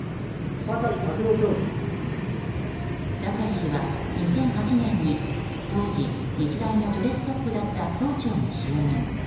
酒井氏は２００８年に当時、日大の序列トップだった総長に就任。